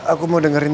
aku mau dengerin